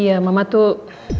iya mama tuh